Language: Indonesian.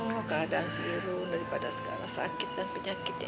keadaan si irun daripada sekarang sakit dan penyakitnya